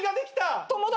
友達。